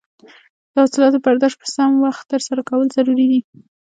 د حاصلاتو برداشت په سم وخت ترسره کول ضروري دي.